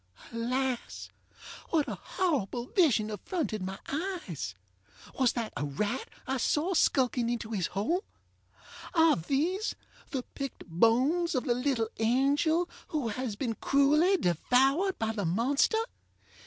Alas! what a horrible vision affronted my eyes? Was that a rat I saw skulking into his hole? Are these the picked bones of the little angel who has been cruelly devoured by the monster?